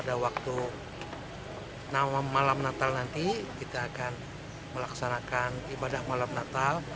pada waktu malam natal nanti kita akan melaksanakan ibadah malam natal